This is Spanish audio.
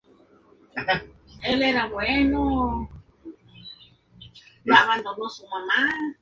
La isla es una reserva natural protegida por el estado para los monos macacos.